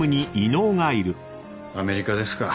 アメリカですか。